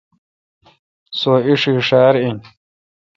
سو ا ایݭی ݭار ا۔ ین